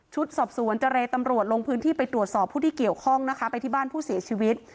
สอบสวนเจรตำรวจลงพื้นที่ไปตรวจสอบผู้ที่เกี่ยวข้องนะคะไปที่บ้านผู้เสียชีวิต